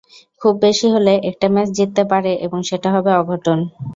খুব বেশি হলে একটা ম্যাচ জিততে পারে এবং সেটা হবে অঘটন।